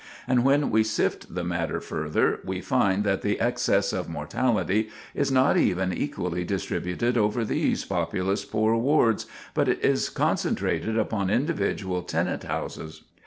And when we sift the matter further, we find that the excess of mortality is not even equally distributed over these populous poor Wards, but is concentrated upon individual tenant houses.